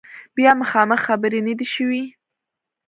بیا مخامخ خبرې نه دي شوي